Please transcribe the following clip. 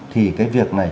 thì cái việc này